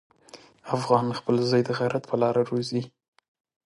افغان خپل زوی د غیرت په لاره روزي.